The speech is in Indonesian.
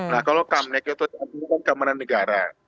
nah kalau kamnek itu itu kameran negara